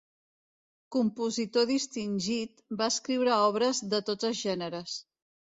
Compositor distingit, va escriure obres de tots els gèneres.